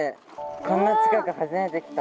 こんな近く初めて来た。